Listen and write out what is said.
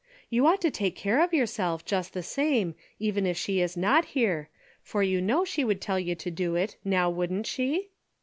You ought to take care of yourself just the same, even if she is not here, for you know she would tell you to do it, now wouldn't she